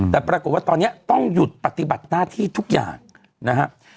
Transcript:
แต่ปรากฏว่าตอนนี้ต้องหยุดปฏิบัติหน้าที่ทุกอย่างนะครับ